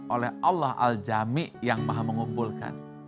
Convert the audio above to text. oleh allah al jami yang maha mengumpulkan